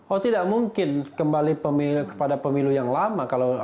oh tidak mungkin kembali kepada pemilu yang lama